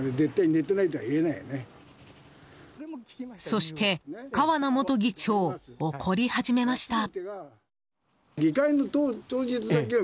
そして川名元議長怒り始めました。